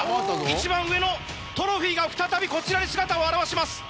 一番上のトロフィーが再びこちらに姿を現します。